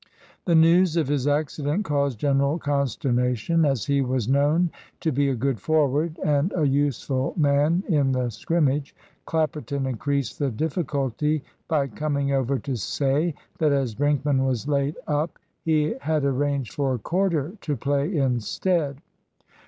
The news of his accident caused general consternation, as he was known to be a good forward and a useful man in a scrimmage. Clapperton increased the difficulty by coming over to say that as Brinkman was laid up, he had arranged for Corder to play instead.